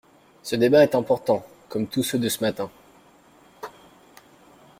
Ce débat est important, comme tous ceux de ce matin.